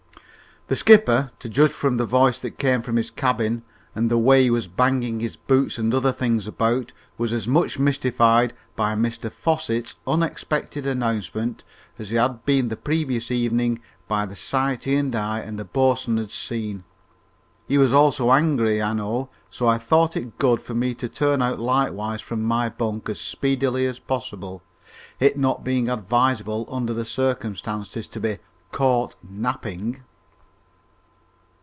The skipper, to judge from the voice that came from his cabin and the way he was banging his boots and other things about, was as much mystified by Mr Fosset's unexpected announcement as he had been the previous evening by the sight he and I and the boatswain had seen. He was also angry, I know, so I thought it good for me to turn out likewise from my bunk as speedily as possible, it not being advisable under the circumstances to be "caught napping."